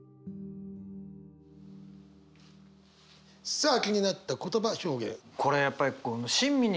さあ気になった言葉表現。